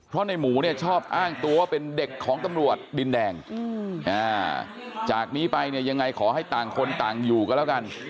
เพราะในหมูเนี่ยชอบอ้างตัวว่าเป็นเด็กของตำรวจดินแดงจากนี้ไปเนี่ยยังไงขอให้ต่างคนต่างอยู่ก็แล้วกัน